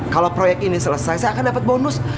kalau proyek ini selesai saya akan dapat bonus